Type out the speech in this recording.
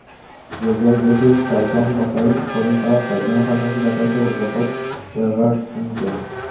Gabriel Jesus, Taison, Rafael Carioca, ফ্যাগনারের পাশাপাশি রাখা হয়েছে গোলরক্ষক ওয়েভারটনকে।